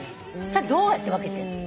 それはどうやって分けてるの？